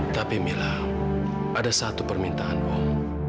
tapi mila ada satu permintaan om